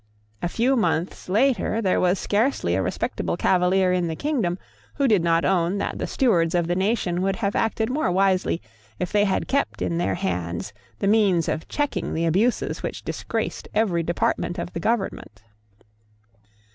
A few months later there was scarcely a respectable Cavalier in the kingdom who did not own that the stewards of the nation would have acted more wisely if they had kept in their hands the means of checking the abuses which disgraced every department of the government.